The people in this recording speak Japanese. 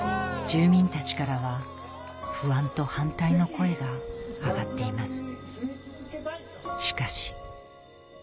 住民たちからは不安と反対の声が上がっています